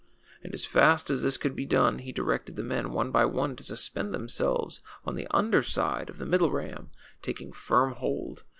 And as fast as this could be done, he directed the men, one by one, to suspend themseh^es on the under side of the middle ram, taking Arm hold.